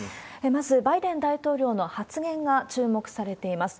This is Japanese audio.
まずバイデン大統領の発言が注目されています。